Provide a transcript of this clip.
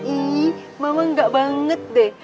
ih mama gak banget deh